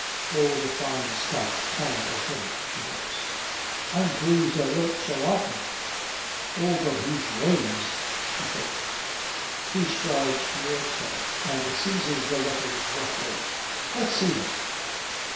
('Oh, the fine Scotch tang of him,' she thinks.) 'I'm pleased I wrote so often.' ('Oh, but he's raized,' she thinks.) He strides towards her, and seizes the letters roughly, 'Let's see them.'